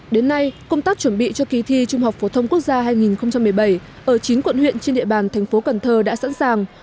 đến nay công tác chuẩn bị cho kỳ thi trung học phổ thông quốc gia hai nghìn một mươi bảy ở chín quận huyện trên địa bàn thành phố cần thơ đã sẵn sàng